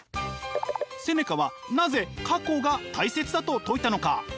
セネカはなぜ過去が大切だと説いたのか？